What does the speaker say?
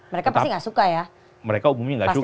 mereka pasti gak suka ya mereka umumnya gak suka